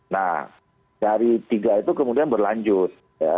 nah dari tiga itu kemudian berlanjut